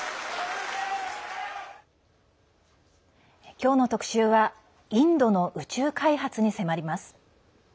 今日の特集はインドの宇宙開発に迫ります。